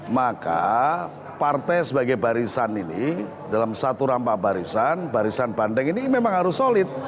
maka partai sebagai barisan ini dalam satu rampah barisan barisan bandeng ini memang harus solid